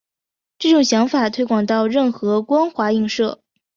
这种想法推广到任何光滑映射。